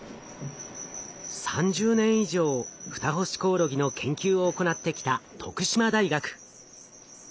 ３０年以上フタホシコオロギの研究を行ってきた徳島大学。